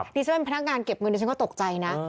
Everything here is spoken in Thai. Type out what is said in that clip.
ดิฉันเป็นพนักงานเก็บเงินดิฉันก็ตกใจนะ